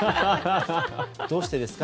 どうしてですか？